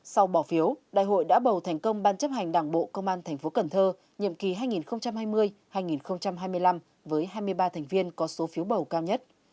sau bỏ phiếu đại hội đã bầu thành công ban chấp hành đảng bộ công an tp cn nhiệm kỳ hai nghìn hai mươi hai nghìn hai mươi năm với hai mươi ba thành viên có số phiếu bầu cao nhất